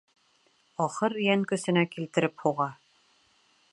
Ахыр, йән көсөнә килтереп һуға.